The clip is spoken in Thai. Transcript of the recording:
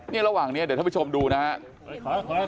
ระหว่างนี้เดี๋ยวท่านผู้ชมดูนะครับ